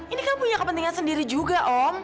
ini kamu punya kepentingan sendiri juga om